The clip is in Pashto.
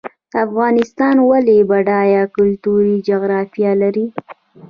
افغانستان ولې بډایه کلتوري جغرافیه لري؟